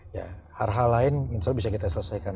ya hal hal lain bisa kita selesaikan